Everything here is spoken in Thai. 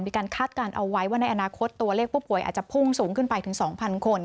คาดการณ์เอาไว้ว่าในอนาคตตัวเลขผู้ป่วยอาจจะพุ่งสูงขึ้นไปถึง๒๐๐คน